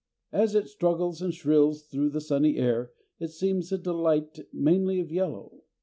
As it struggles and shrills through the sunny air, it seems a delight mainly of yellow.